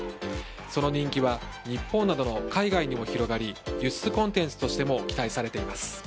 その人気は日本などの海外にも広がり輸出コンテンツとしても期待されています。